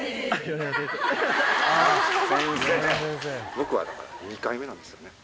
僕は２回目なんですよね。